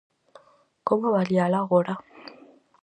Como avaliala agora?